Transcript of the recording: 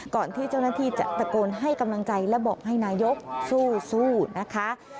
ก่อนที่เจ้าหน้าที่จะตะโกนให้กำลังใจและบอกให้นายกสู้นะคะ